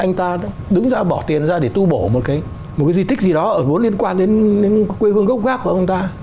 anh ta đứng ra bỏ tiền ra để tu bổ một cái di tích gì đó liên quan đến quê hương gốc khác của người ta